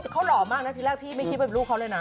เขารอมากทีแรกพี่ไม่คิดว่าเป็นลูกเขาเลยนะ